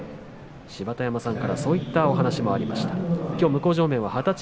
芝田山さんからそういった話がありました。